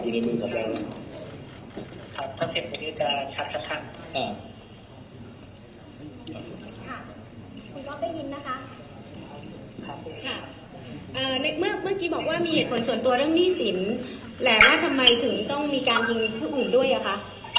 เมื่อกี้บอกว่ามีเหตุผลส่วนตัวเรื่องหนี้สินแต่ว่าทำไมถึงต้องมีการยิงผู้อื่นด้วยอ่ะคะ